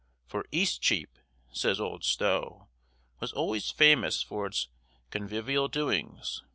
For Eastcheap, says old Stow, "was always famous for its convivial doings.